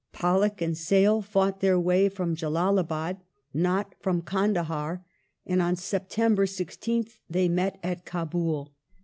Pollock and Sale fought their way from Jaldlabad, Nott from Kandahar, and on September 16th they met at Kdbul.